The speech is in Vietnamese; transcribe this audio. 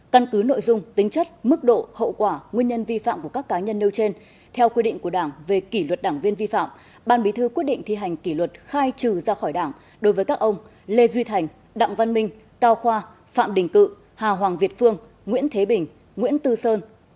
căn cứ nội dung tính chất mức độ hậu quả nguyên nhân vi phạm của các cá nhân nêu trên theo quy định của đảng về kỷ luật đảng viên vi phạm ban bí thư quyết định thi hành kỷ luật khai trừ ra khỏi đảng đối với các ông lê duy thành đặng văn minh cao khoa phạm đình cự hà hoàng việt phương nguyễn thế bình nguyễn tư sơn